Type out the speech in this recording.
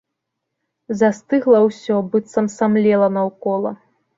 Застыгла ўсё, быццам самлела наўкола.